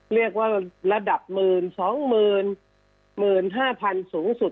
เรียกว่าระดับหมื่นสองหมื่นหมื่นห้าพันธุ์สูงสุด